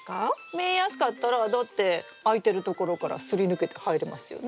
見えやすかったらだって空いてるところからすり抜けて入れますよね。